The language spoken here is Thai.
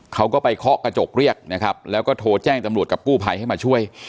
เขาก็ไปเคาะกระจกเรียกนะครับแล้วก็โทรแจ้งตำรวจกับกู้ภัยให้มาช่วย